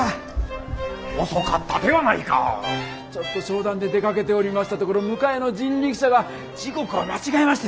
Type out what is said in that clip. ちょっと商談で出かけておりましたところ迎えの人力車が時刻を間違えまして。